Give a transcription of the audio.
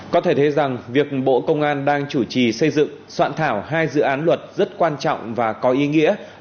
có thể thấy rằng việc bộ công an đang chủ trì xây dựng soạn thảo hai dự án luật rất quan trọng và có ý nghĩa